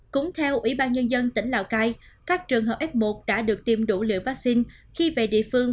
cũng theo ủy ban nhân dân tỉnh lào cai các trường hợp f một đã được tiêm đủ liều vaccine khi về địa phương